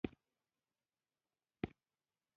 سوله سره وکړه.